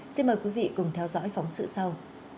xin mời quý vị cùng theo dõi phóng sự sau